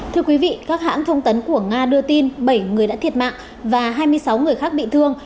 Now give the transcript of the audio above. thưa quý vị các hãng thông tấn của nga đưa tin bảy người đã thiệt mạng và hai mươi sáu người khác bị thương